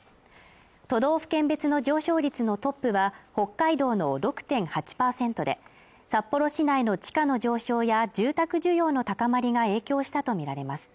都道府県別の上昇率のトップは北海道の６．８％で札幌市内の地価の上昇や住宅需要の高まりが影響したとみられます。